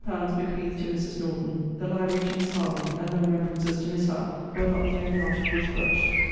bequeathed to Mrs. Norton, the library to Miss Hervey, and the remembrances to Miss Howe, were not the only articles grudged.